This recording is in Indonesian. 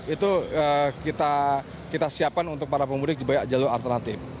itu kita siapkan untuk para pemudik juga jalur alternatif